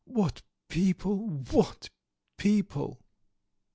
"What people! What people!"